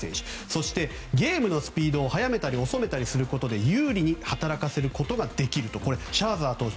そしてゲームのスピードを早めたり遅めたりすることで有利に働かせることができるとシャーザー投手